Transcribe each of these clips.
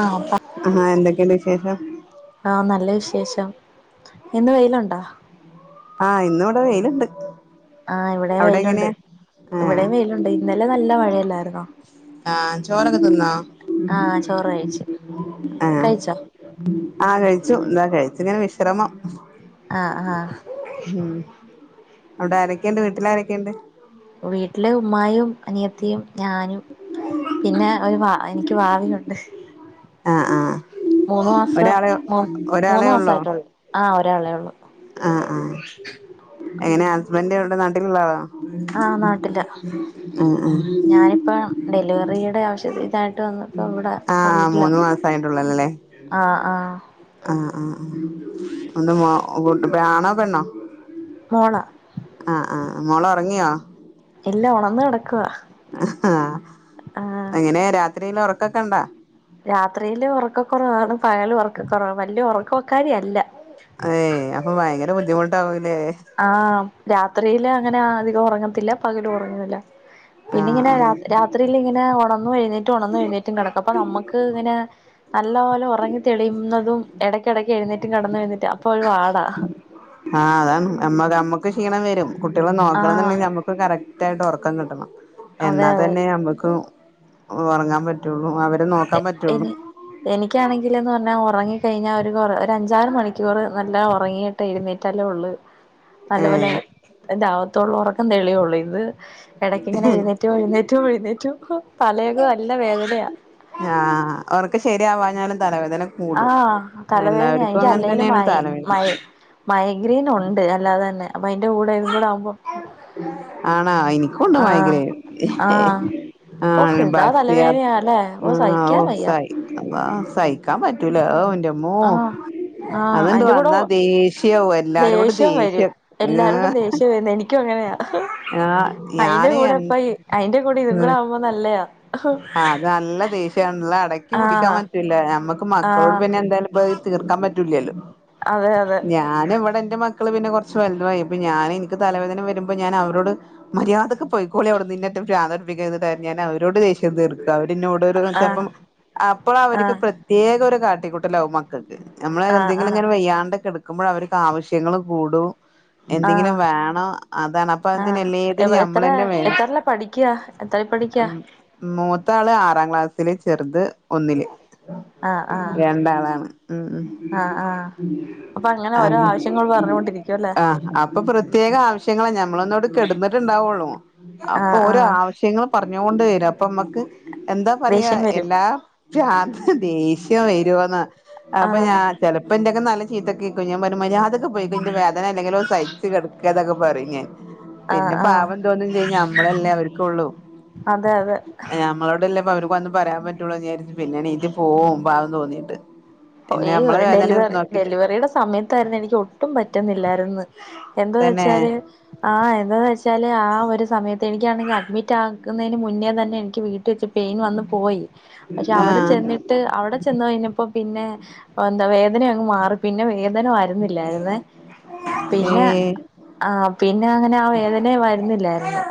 ആഹ് പ ആ ഹാ എന്തൊക്കെയ്ണ്ട് വിശേഷം ആഹ് നല്ല വിശേഷം ഇന്ന് വെയിലുണ്ടോ ആഹ് ഇന്ന് ഇവിടെ വെയില്ണ്ട് ആഹ് ഇവിടെയും വെയിലുണ്ട് ആഹ് ഇവിടെയും വെയിലുണ്ട് ഇന്നലെ നല്ല മഴല്ലായിരുന്നോ? ആഹ്‌ ചോറൊക്കെ തിന്നോ ആഹ് ചോറ് കഴിച്ചു ആഹ്‌ കഴിച്ചോ ആഹ്‌ കഴിച്ചു താ കഴിച്ചു ഇങ്ങനെ വിശ്രമം ആഹ് ആഹ് ഉം അവിടെ ആരൊക്കെണ്ട് വീട്ടിൽ ആരെക്കെണ്ട് വീട്ടില് ഉമ്മായും അനിയത്തിയും ഞാനും പിന്നെ ഒരു വാ എനിക്ക് വാവിലുണ്ട് ആഹ് ആഹ് മൂന്നു മാസം ഒരാളെ മു ഒരാളെ മൂന്നു മാസായിട്ടുള്ളൂ ആഹ്‌ ഒരാളേള്ളൂ ആഹ്‌ ആഹ് എങ്ങനെ ഹസ്ബന്റ് എവിടെ നട്ടിലുള്ള ആളാണോ? ആഹ് നാട്ടിലാ ആഹ്‌ ആഹ്‌ ഞാനിപ്പ ഡെലിവറിയുടെ ആവശ്യത്തി ഇതായിട്ട് വന്നപ്പോ ഇവിടെ ആഹ് മൂന്ന് മാസായ്‌ട്ടൊള്ളു അല്ലല്ലേ ആഹ്‌ ആഹ്‌ ആഹ്‌ അഹ് ഒന്ന് മോ വിട്ട്പോയ്‌ ആണോ പെണ്ണോ മോളാ ആഹ് ആഹ് ആ മോളൊറങ്ങിയോ ഇല്ലാ ഒണന്ന് കിടക്കുവ അ ഹാ എങ്ങനെ രാത്രിയില് ഒറക്കൊക്കെണ്ടാ രാത്രിയില് ഒറക്കക്കുറവാണ് പകലും ഒറക്കകുറവാണ് വല്ല്യ ഉറക്കക്കാരി അല്ല ഏ അപ്പൊ ഭയങ്കര ബുദ്ധിമുട്ടാവൂലേ ആഹ് രാത്രിയില് അങ്ങനെ അധികം ഒറങ്ങത്തില്ല പകലും ഒറങ്ങൂല പിന്നെ ആഹ് ഇങ്ങനെ ര ആഹ് രാത്രില് ഇങ്ങനെ ഒണന്നും എഴുന്നേറ്റും ഒണന്നും എഴുന്നേറ്റും കിടക്കും അപ്പ നമ്മക്ക് ഇങ്ങനെ നല്ലപോലെ ഒറങ്ങി തെളിയുന്നതും ഇടയ്ക്കിടക്ക് എഴുന്നേറ്റ് കിടന്ന് എഴുന്നേറ്റ് അപ്പൊ ഒരു വാടാ ആഹ് അതാണ് ഞമ്മ ഞമ്മക്ക് ക്ഷീണം വരും കുട്ടികളെ ആഹ് നോക്കണംന്നുണ്ടെങ്കിൽ ഞമ്മ ഇപ്പം കറക്റ്റായിട്ട് ഒറക്കം കിട്ടണം അതെ അതെ എന്നാതന്നെ ഞമ്മക്ക് ഒറങ്ങാൻ പറ്റൊള്ളൂ അവ എ എനി എനിക്കാണെങ്കിലെന്ന് പർഞ്ഞാ ഒറങ്ങി കഴിഞ്ഞാ ഒര ഒരു അഞ്ചാറ് മണിക്കൂർ നല്ല ഒറങ്ങി പ്പഴുന്നേറ്റല്ലേ ഒള്ള് [inaudible] നല്ലപോലെ എന്റെ അഗത്തുള്ള ഒറക്കം തെളിയൊള്ളൂ ഇന്ന് എടക്കിങ്ങനെ എഴുന്നേ റ്റും എഴുന്നേറ്റു എഴുന്നേറ്റു ഹോ തലയൊക്കെ നല്ല വേദനയാ ആഹ്‌ ഒറക്കം ശരിയാവാഞ്ഞാലും തലവേദന കൂടും ആഹ്‌ തലവേദനയാ എല്ലാവർക്കും എനിക്ക് അങ്ങനെ അല്ലേലും തന്നെയാണ് മൈ തലവേദന മൈ മൈഗ്രീൻ ഉണ്ട് അല്ലാതെന്നെ അപ്പൊ അതിന്റെ കൂടെ ഇതും കൂടെ ആവുമ്പോൾ ആണാ ഇൻക്കുണ്ട് ആഹ് മൈഗ്രയ്ൻ ആഹ് ഓഹ് ആണ് എന്താ ബാക്തിയ തലവേദനയാ അല്ലെ ഓഹ് ആഹ് സഹിക്കാൻ വയ്യ ഓസായി അള്ളാ സഹിക്കാൻ പറ്റൂല അവുന്റമ്മോ ആഹ് ആഹ് അത്ണ്ട് അയിന്റെ കൂടെ വന്നാ ദേഷ്യവുംഎല്ലാരോടും ദേഷ്യം ദേഷ്യ ആ കയ്യ്യും അങ്ങനെയ അയ്‌ന്റെ കൂടെ എൻ പ്പ അയിന്റെ കൂടി ഇതുകൂടെ ആവുമ്പോ നല്ലയാ ആത് നല്ല ദേഷ്യണ് നല്ല അടക്കി പിടിക്കാൻ ആഹ് പറ്റൂല മ്മക്ക് മക്കളോട് ആഹ് പിന്നെ എന്തായാലും പഹ്‌ തീർക്കാൻ പറ്റല്ല്യല്ലോ അതെ അതെ ഞാനിവിടെ എന്റെ മ മക്കൾ പിന്നെ കുറച്ച് വലുതുവയി പ്പോ ഞാനിക്ക് തലവേദന വരുമ്പ ഞഅവരോട് മര്യാദക്ക്പോയ്‌ ക്കോളി ആവുട്ന്ന് ഇനട്ട് പ്രാന്തുട്പ്പിക്കാതെ ഞാന അവരോട് ദേഷ്യ ഷ്യം തീർക്കും അവരിന്നോട് ആഹ് ചെല്പം അപ്പോളവർക്ക് ആഹ് പ്രത്യേക ഒരു കാട്ടിക്കൂട്ടലകുംമക്ക ക്ക് ഞമ്മള് ആഹ് എന്തെങ്കിലും ആഹ് ങ്ങനെ വയ്യാണ്ട് കെട്ക്കുമ്പോൾ അവർക്ക് ആവശ്യങ്ങൾ കൂടും എന്തെങ്കിലും ആഹ് വേണോ അതാണ് അപ്പ അതിന് ആഹ് എല്ലേതിന് ഞമ്മളന്നെ വേണം ത്രല് പഠിക്യ? മൂത്താള് ആറാം ക്ലാസ്സില് ചെറ്ത് ഒന്നില് ആഹ് ആഹ് രണ്ടാളാണ് ഉം ഉം ആഹ് ആഹ് അപ്പൊ അങ്ങനെ ഓരോ ആഹ് ആവശ്യങ്ങൾ പറഞ്ഞുകൊണ്ടിരിക്കും അല്ലേ ആഹ് അപ്പൊ പ്രത്യേക ആവശ്യങ്ങള ഞമ്മളൊന്നോട് കെട്ന്ന ണ്ടാവുള്ളൂ അപ്പൊ ആഹ് ഓരോ ആഹ് ആവശ്യങ്ങളും പറ്ഞ്ഞൊണ്ട് വര പ്പമ്മക്ക് എന്താ പറ്യ ദേഷ്യം വരും എല്ലാ രാത്രി ദേഷ്യം വരുവൊന്ന് അപ്പൊ ആഹ് ഞാൻ ചെലപ്പോന്റെക്കന്ന് നല്ല ചീത്തക്കെക്കും ഞാൻപരു മരിയാതക്ക് പോയ്ക്കൊ ഇന്റെ വേദനല്ലെങ്കിലോ സഹിച്ച് കിടക്ക ന്നൊക്കെ പറിം ഞൻ ആഹ് പിന്നെ ആഹ് പാവം തോന്നും ചെയ്യും ഞമ്മളല്ലേ അവര്ക്കൊള്ളു അതെ അതെ ഞമ്മളോടല്ലെപ്പ അവര്ക്ക് വന്ന് പറയാപറ്റുള്ളൂന്ന് വിചാരിച് പിന്നെ നീറ്റ് പോവും പാവം തോന്നിട്ട് ഓയ് ഡെലിവറി ഡെലിവറിടെ സമയത്തായ്രുന്നു എനിക്ക് ഒട്ടും പറ്റുന്നില്ലായ്രുന്നു എന്തൊന്ന തന്നെ വെച്ചാല് ആഹ് എന്താന്ന് വെച്ചാല് ആഹ് ഒരു സമയത്ത് എനിക്കാണെങ്കി അഡ്മിറ്റാക്ക്ന്നേന് മുന്നേതന്നെ എനിക്ക് വീട്ടി റ്റ് വെച്ച് പെയ്ൻ വന്ന് പോയി പക്ഷെ അവ്ടെ ആഹ് ചെന്നിട്ട് അവ്ടെ ചെന്ന് കഴിഞ്ഞപ്പോ പിന്നെ എന്താ വേദന അങ്ങ് മാറി പിന്നെ വേദന ക്ക്ന്നില്ലായിര്‌ന്നെ പിന്നെ ഏഹ് ആഹ് പിന്നെഅങ്ങനെ ആ വേദന വരുന്നില്ലായിരുന്നു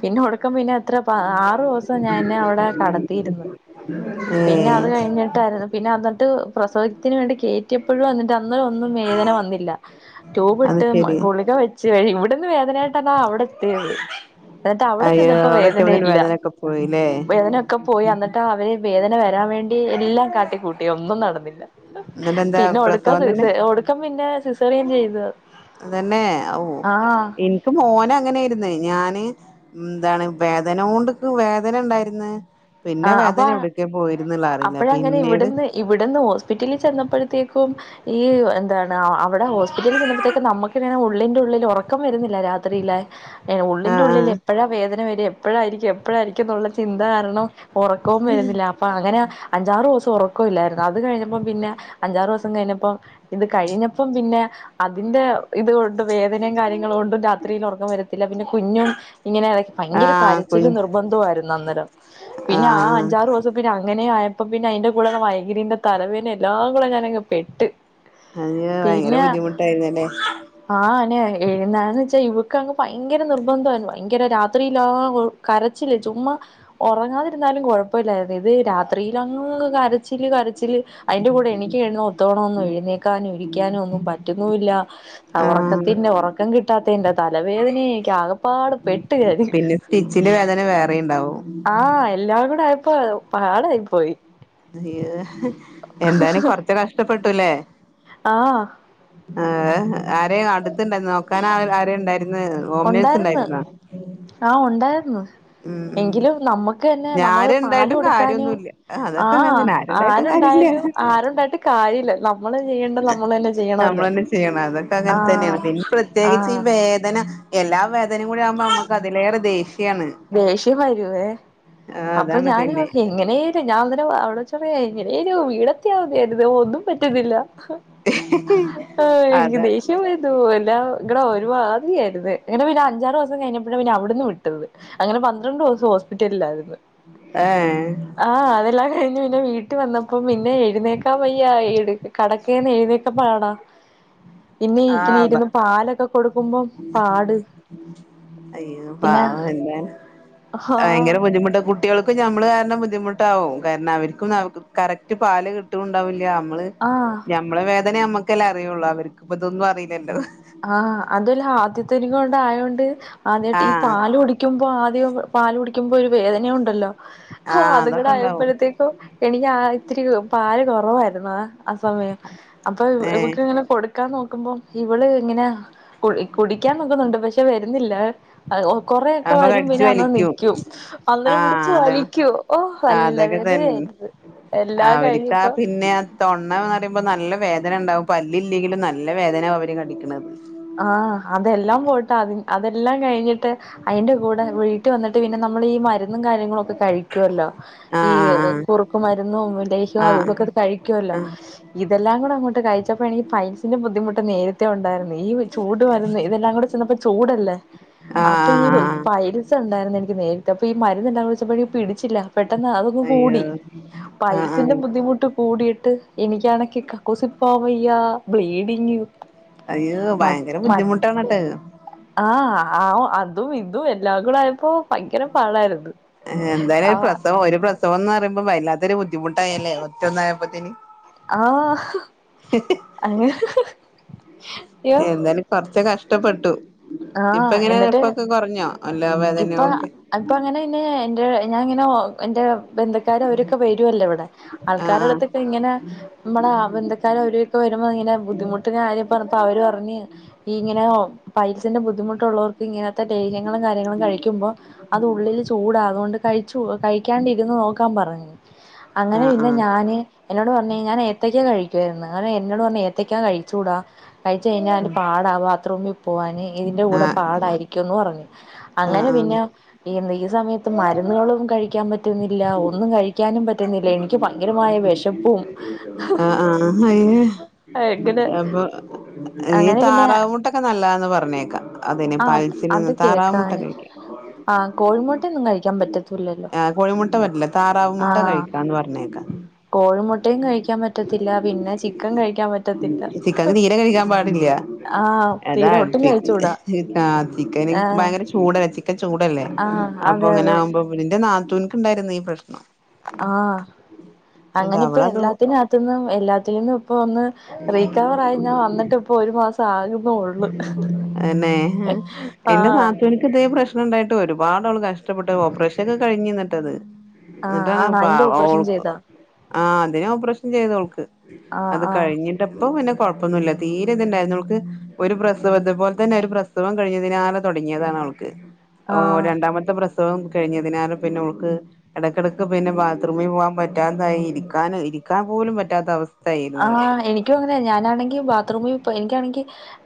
പിന്നെ ഒടുക്കംപിന്നെ എത്ര പ ആറുസം ഞാന്നെ അവ്ടെ കടത്തിര്ന്ന് [unintelligible] പിന്നെ അത് കഴിഞ്ഞിട്ടായ്രുന്നു പിന്നെ അന്ന്ട്ട് പ്രസവത്തിന് വേണ്ടി കേറ്റിയപ്പോഴും എന്നിട്ട് അന്നേഒന്നും വേദന വന്നില്ല അത് റ്റൂബ്ട്ട് ശെരി ഗുളിക വെച്ച് വഴിഇവിട്ന്ന് വേദനയായിട്ടന്നാ അവിടെത്തിത് എന്ന്ട്ട് അവിടെ അയ്യോ ചെന്നപ്പോ അവിടെ എത്തിയപ്പോത്തിന് വേദനയില്ല വേദനൊക്കെ പോയില്ലേ വേദനൊക്കെ പോയി അന്ന്ട്ട് അവരെ വേദന വരാൻവേണ്ടി എല്ലാം കാട്ടിക്കൂട്ടി ഒന്നും നടന്നില്ല എന്നിട്ട് എന്താ പിന്നെ ഒടുക്കം പ്രസവം തന്നെ സിസേ ഒടുക്കം പിന്നെ സിസേറിയൻ ചെയ്ത് തന്നെ ഓഹ് ആഹ് എന്ക്ക് മോനങ്ങനെര്ന്ന് ഞാന് ന്താണ് വേദനൊണ്ട്ക്ക് വേദനണ്ടായിര്ന്ന് പിന്നെ ആഹ് അപ്പൊ വേദനെവ്ടിക്കെ പോയിര്ന്ന് ള്ളെറിയില്ല പിന്നീട് ഇവിടന്ന് ഹോസ്പിറ്റലിൽ ചെന്നപ്പഴത്തേക്കും ഈഹ് എന്താണ് അവ്ടെ ഹോസ്പിറ്റലിൽ ചെല്ലുമ്പഴത്തേക്കും നമ്മക്ക്ങ്ങനെ ഉള്ളിന്റെ ഉള്ളിലൊറക്കം വരുന്നില്ല രാ [unintelligible] ആഹ് ഉള്ളിന്റെ ഉള്ളില് ആഹ് എപ്പഴാ വേദന വെര എപ്പഴായിയിരിക്കും എപ്പഴായിരിക്കുംന്നുള്ള ചിന്ത കാരണം ഒറക്കവും വരുന്നില്ല പ്പങ്ങനെ അഞ്ചാറുസം ഒറക്കവില്ലായിരുന്നു അത് കഴിഞ്ഞപ്പം പിന്നെ അഞ്ചാറൂസം കഴിഞ്ഞപ്പം ഇത് കഴിഞ്ഞപ്പം പിന്നെ അതിന്റെ ഇത് കൊണ്ട് വേദനെ കാര്യങ്ങള്കൊണ്ടും രാത്രിയിൽ ഒറക്കം വര പിന്നെ പിന്നെ കുഞ്ഞും ഇങ്ങനെ അതൊക്കെ ഭയങ്കര ആഹ് കരച്ചിലും കുഞ് നിർബന്ധവായിരുന്നു അന്നേരം പിന്നെ ആഹ് അഞ്ചാറുവസം പിന്നെ അങ്ങനെആയപ്പോ പിന്നെ അയ്ന്റെ കൂടെ മൈഗ്രീന്റെ തലവേനെയെല്ലാം കൂടെ ഞാനങ്ങ് പെട്ട് അയ്യോ ഭയങ്കര ബുദ്ധിമുട്ടായിര്ന്നല്ലേ ആഹ് ആനെ എഴുന്നാന്ന്ച്ച യിവക്കങ്ങ് ഭയങ്കര നിർബന്ധവായിര്ന്നു ഭയങ്കര രാത്രില്ലാ കരച്ച്‌ല് ചുമ്മ ഒറ റങ്ങതിരുന്നാലും കുഴപ്പല്ലായിരുന്നു ഇത് രാത്രിലങ്ങ് കരച്ചില് കരച്ചില് അയ്ന്റെ കൂടെ [unintelligible] ഒന്നും എഴുന്നേക്കാനും ഇരിക്കാനും ഒന്നും പറ്റുന്നൂല്ല അവ് ആഹ് ഒറക്കത്തിന്റ ഒറക്കം കിട്ടാത്തെന്റ തലവേദനയെക്ക ആക പ്പാട്പെട്ട് ഞാന് അത് വേറീണ്ടാവും ആ എല്ലാംകൂടെ ആയപ്പോ പാടായിപോയി അയ്യോ എന്തായാലും കൊർച്ച് കഷ്ട്ടപ്പെട്ടൂ ല്ലേ ആഹ് ആഹ് ആരെ അട്ത്ണ്ടായ്ന്ന് നോക്കാനാരെണ്ടായിര്ന്ന് ഒണ്ടായിര്ന്ന് ആ ഒണ്ടായിര്ന്നു ഉം എങ്കിലും നമ്മക്ക് തന്നെ ഉം നമ്മള് പാല് ആരുണ്ടായിട്ടും കൊടുക്കാനും കാര്യമൊന്നുമില്ല അതൊക്കെ അങ്ങനെ ആഹ് തന്നെ ആരുണ്ടായിട്ടും കാര്യമില്ല ആരുണ്ടായാലും ആരുണ്ടായിട്ട് കാര്യല്ല നമ്മള് ചെയ്യണ്ട നമ്മള് തന്നെ ചെയ്യണോല്ലോ നമ്മളന്നെ ചെയ്യണം അതൊക്കെ അങ്ങനെ ആഹ് തന്നെയാണ് പിന്നെ പ്രത്യേകിച്ച് ഈ ആഹ് വേദന എല്ലാ വേദനയും കൂടി ആവുമ്പോ നമ്മക്ക് അതിലേറെ ദേഷ്യാണ് ദേഷ്യം വരൂവേ ആഹ് അപ്പം അതാണ് ഞാന് പിന്നെ എങ്ങനെലും ഞാൻ അന്നേരം അവ്ടെ [unintelligible] എങ്ങനെലും വീടത്തിയാ മതിയായിരുന്നു ഒന്നും പറ്റുന്നില്ല ആ എനിക്ക് അതാ ദേഷ് [unintelligible] ആയിരുന്നു ഇങ്ങനെ പിന്നെ അഞ്ചാറ് ദിവസം കഴിഞ്ഞപ്പയാ പിന്നെ അവ്ട്ന്ന് വിട്ടത് അങ്ങനെ പന്ത്രണ്ട് ദിവസം ഹോസ്പിറ്റലിലായിരുന്നു ഏഹ് ആ അതെല്ലാം കഴിഞ് പിന്നെ വീട്ട് വന്നപ്പം പിന്നെ എഴുന്നേക്കാൻ വയ്യ ഇട് കടക്കെന്ന് എഴുന്നെക്കാ പാടാ പിന്നെ ഇങ്ങനെ ആഹ് ഇരുന്ന് പാലൊക്കെ കൊടുക്കുമ്പം പാട് അയ്യോ പിന്നെ പാവ അല്ലെ ആഹ് ഭയങ്കര ബുദ്ധിമുട്ട് കുട്ടികൾക്കും ഞമ്മള് കാര്ണം ബുദ്ധിമുട്ടാവും കാര്ണം അവർക്കും കറക്റ്റ് പാല് കിട്ടുണ്ടാവില്ല അമ്മള് ആഹ് ഞമ്മളെ വേദന ഞമ്മക്കല്ലെ അറിയുള്ളൂ അവർക്ക് ഇപ്പ ഇതൊന്നും അറീലല്ലോ ആഹ് അതുല്ല ആദ്യത്തെന്കൊണ്ടായോണ്ട് ആദ്യായിട്ട് ഈ ആഹ് പാല് കുടി ക്കുമ്പോ ആദ്യം പാല് കുടിക്കുമ്പോ ഒരു വേദന ഉണ്ടല്ലോ ആഹ് അതൊക്കെ ഉണ്ടാവും അത്ങ്കടായപ്പോഴത്തേ എനിക്ക് ആ ഇത്തിരി പാല് കൊറവായിരുന്നു അ ആ സമയം അപ്പൊ ഏഹ് ഇവക്ക് ഇങ്ങനെ കൊടുക്കാൻ നോക്കുമ്പം ഇവള് ഇങ്ങനെ കു കുടിക്കാൻ നോക്കുന്നുണ്ട് പക്ഷെ വരുന്നില്ല കൊറെക്കെ അപ്പൊ വരും കടിച്ചു പിന്നെ അന്ന് വലിക്കും നിക്കും അന്നേരം പിടിച്ചു ആഹ് അതാണ് വലിക്കും ഓഹ് ആഹ് നല്ല അതൊക്കെ തന്നെ വേദനായിരുന്നു എല്ലാം കഴിഞ്ഞിപ്പ തൊണ്ണ ന്ന് പറയുമ്പം നല്ല വേദന ഉണ്ടാവും പല്ല്ല്ലങ്കിലും നല്ല വേദന അവര് കടിക്ക്‌ണത് ആഹ് അതെല്ലാം പോട്ട അ അതെല്ലാം കഴിഞ്ഞിട്ട് അഴിന്റെ കൂടെ വീട്ട് വന്നിട്ട് പിന്നെ നമ്മള് ഈ മരുന്നും കാര്യങ്ങളും കഴിക്കൊല്ലോ ഈ ആഹ് കുറുക്കും മരുന്നും ലേഹ്യം ആഹ് ആഹ് അധോക്കെ ആഹ് കഴിക്കുവല്ലോ ആഹ് ഇതെല്ലാം കൂടെ അങ്ങോട്ട് കഴിച്ചപ്പോ ഈ പൈൽസിന്റെ ബുദ്ധിമുട്ട് നേരത്തെ ഉണ്ടായിരുന്നു ഈ ചൂട് വന്ന് ഇതെല്ലാം കൂടെ ചെന്നപ്പോ ചൂടല്ലേ അപ്പൊ ഈ ആഹ് ആഹ് പൈൽ സ് ഉണ്ടായിരുന്നു എനിക്ക് നേരത്തെ അപ്പം ഈ മര്ന്നല്ലാ കുടിച്ചപ്പോയ് പിടിച്ചില്ല പെട്ടെന്ന് അതൊക്ക അയ്യോ കൂടി ആഹ് പൈൽസിന്റെ ആഹ് ബുദ്ധിമുട്ട് കൂടിയിട്ട് എനിക്കാണങ്കി കക്കൂസ്‌ പോവയ്യ ബ്ലീഡിങ് അയ്യോ മ ഭയങ്കര മ ബുദ്ധിമുട്ടാണട്ട ആഹ് അതും ഇതും എല്ലാം കൂട ആയപ്പോ ഭയങ്കര പാടായിരുന്നു എന്തായാലും ഒരു ആഹ് പ്രസവം ഒരു പ്രസവം എന്ന് പറയുമ്പം വല്ലാത്ത ഒരു ബുദ്ധിമുട്ടായല്ലേ ഒറ്റൊന്നായപ്പത്ത്ന് ആഹ് ഉ അങ്ങനെ അയ്യോ എന്തായാലും കൊർച്ച് കഷ്ടപ്പെട്ടു ഇപ്പ ആഹ് എങ്ങനെ എന്നിട്ട് ഇപ്പൊക്കെ കൊർഞ്ഞോ അല്ലാ വേദനോക്കെ അപ്പൊ അങ്ങനെ ന്നെ എൻ്റെ ഞാൻ ഇങ്ങനെ ഓ എൻ്റെ ബന്ധ ന്ധക്കാര് അവരൊക്കെ വരുഅല്ലോ ഇവിടെ ആൾക്കാരെ ആഹ് അടുത്ത് ഇങ്ങനെ മ്മടെ ബന്ധക്കാരും അവരൊക്കെ വരുമ്പോ ഇങ്ങനെ ബുദ്ധിമുട്ട് കാര്യ പറഞ്ഞപ്പോ അവര് പറഞ് ഈ ഇങ്ങനെ പയൽസിന്റെ ബുദ്ധിമുട്ടുള്ളവർക്ക് ഇങ്ങനത്തെ ലൈര്യങ്ങളും കാര്യങ്ങളും കഴിക്കുമ്പോ അത് ഉള്ളില് ചൂടാ അതുകൊണ്ട് കഴിച്ചു കഴിക്കാണ്ടിരുന്ന് നോക്കാൻ പറഞ്ഞു അങ്ങനെ ആഹ് ആഹ് പിന്നെ ആഹ് ഞാന് എന്നോട് പറഞ്ഞ് ഞാൻ ഏത്തക്കാ കഴിക്കുായിരുന്നു അങ്ങനെ എന്നോട് പറഞ് ഏത്തക്കാ കയ്ച്ചുടാ കഴിച് കഴിഞ്ഞാൽ ഉം പാടാ ബാത്റൂമിൽ പോകാന് ഇതിന്റെ കൂടെ ആഹ് പാടായിരിക്കുംന്ന് പറഞ്ഞു ആഹ് അങ്ങനെ ആഹ് പിന്നെ എന്താ ഈ സമയത്ത് മരുന്നുകളും കഴിക്കാൻ പറ്റുന്നില്ല ഒന്നും കഴിക്കാനും പ ആഹ് ആഹ് എങ്ങനെ അ അപ്പൊഇ അങ്ങനെ പിന്നെ താറാവ് മുട്ടൊക്കെ നല്ലതാന്ന് പറഞ്ഞേക്കാം അതിന് ആ പയിൽസിന്. താറമുട്ട കഴിക്കും. ആഹ് കോഴിമുട്ട ഒന്നും കഴിക്കാൻ പറ്റ ആഹ് കോഴിമുട്ട പറ്റില്ല താറാവ് ആ മുട്ട കഴിക്കാന്ന് പറഞ്ഞേക്കാം. കോഴിമുട്ടയും കഴിക്കാൻ പറ്റത്തില്ല പിന്നെ ചിക്കൻ കഴിക്കാൻ പറ്റത്തില്ല ചിക്കൻ തീരെ കഴിക്കാൻ പാടില്ല. ആഹ് തീരെ ഒട്ടും അതാടുപ്പ കഴിച്ചൂടാ ആഹ് ചിക്കൻ ആഹ് ഭയങ്കര ചൂടല്ല ചി ക്കെ ചൂടല്ലേ ആഹ് അപ്പൊ അതെ അങ്ങനെ അതെ ആകുമ്പോ ന്റെ നാത്തുന്ക്ക് ഇണ്ടായിരുന്നു ഈ പ്രശ്നം. ആഹ് ന്നട്ട് അങ്ങനെ ഇപ്പൊ അവളത് എല്ലാത്തിനകത്തുന്നും എല്ലാത്തിന്നും ഇപ്പൊ ഒന്ന്.. റീക്കവറ ആയി ഞാൻ വന്നിട്ട് ഇപ്പൊ ഒരു മാസം ആകുന്നു ഉള്ളു. അന്നെ എന്റെ നാത്തൂൻ ക്ക് ഇതേ പ്രശ്നം ഉണ്ടായിട്ട് ഒരുപാട് ആള് കഷ്ടപ്പെട്ട് ഓപ്പറേഷൻ ഒക്കെ കഴിഞ്ഞിഇന്നട്ടത്. ആഹ് എന്നിട്ടാണ്. ആണോ അയിന്റെ പാവ ഓപ്പറേഷൻ ഓള് ചെയ്തോ ആഹ് അതിന് ഓപറേഷൻ ചെയ്ത് ഓൾക്ക് ആഹ് അത് ആഹ് കഴിഞ്ഞ് പ്പ പിന്നെ കൊഴപ്പോന്നുല്ല തീരെ ഇത്ണ്ടായിന്ന് ഓൾക്ക് ഒരു പ്രസവ ഇതേപോലെ തന്നെ ഒരു പ്ര പ്രസവം കഴിഞ്ഞതിനാല തുടങ്ങിയതാണ് അവൾക്ക് ആഹ് രണ്ടാമത്തെ പ്രസ സവം കഴിഞ്ഞതിനാല പിന്നെ ഓൾക്ക്. ഇടക്കിടക്ക് പിന്നെ ബാത്റൂമിൽ പോകാൻ പറ്റാതായി ഇരിക്കൻ ഇരിക്കാൻ പോലും പറ്റാത്ത അവസ്ഥ. ആഹ് എനിക്കും അങ്ങനെ ഞാനാണെങ്കി ബാത്റൂമിൽ എനിക്കാണെങ്കിൽ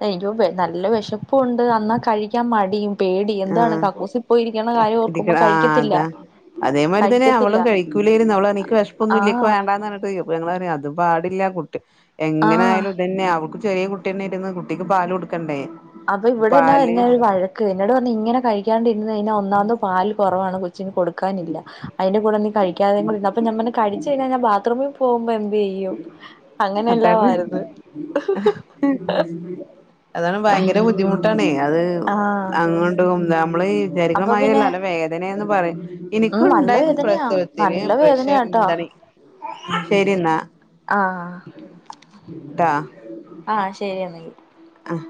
എനക്ക് നല്ല വിഷം പ്പ് ഉണ്ട് അന്നാ കഴിക്കാൻ മടിയും. പേടി എന്താണ് ആഹ് കക്കൂസി പോയിരിക്കണകാര്യം ഇടിക്ക ഓർക്കുമ്പോ ആഹ് കഴിക്കത്തില്ല. അതാ അതേമാതിരി തന്നെ കഴിക്കത്തില്ല അവളും കഴിക്കൂലായിരുന്നു അവള് എനിക്ക് വിശപ്പ് ഒന്നുല്ല എനിക്ക് ആഹ് വേണ്ടാന്ന് പറഞ്ഞിട്ട് ഒയ്യും. പ്പ ഞങ്ങളറിയാം അത് പാടില്ല കുട്ടി ആഹ് എങ്ങനായാലും. അതന്നെ അവക്ക് ചെറിയ കുട്ടി തന്നെ ആയിരുന്നു കുട്ടിക്ക് പാല് കൊടുക്കണ്ടേ. അപ്പൊ ഇവിടെന്നാ പാല് എന്നെ ഒരു വഴക്ക് എന്നോട് പറഞ്ഞ് ഇങ്ങനെ കഴിക്കാണ്ടിരന്ന് കഴിഞ്ഞ ഒന്നാമത് പാല് കുറവാണ്. ച്ചിന് കൊടുക്കാനില്ല അതിന്റെ കൂടെ നീ കഴിക്കാതെ കൂടെ ഇരുന്ന അപ്പ ഞൻ പറഞ്ഞ് കഴിച്ച് കഴിഞ്ഞ ഞാൻ ബാത്റൂമിൽ പോമ്പോ എന്ത് ചെയ്യും അങ്ങനെ അതാണ് എല്ലാവമായിരുന്നു. അതാണ് ഭയങ്കര ബുദ്ധിമുട്ടാണേ അത് ആഹ് അങ്ങ നമ്മള് ഈ അപ്പൊ വിചാരികണമായല്ല പിന്നെ നല്ല വേദനന്ന് പറയും ഉം നല്ല എനിക്കുണ്ടായത് വേദനയാ പ്രസവത്തിന് നല്ല പക്ഷെ വേദനയാട്ടോ എന്താണ് ശരി എന്നാ. ആഹ് ട്ടാ. ആഹ് ശരിയന്നെങ്കിൽ. ആഹ്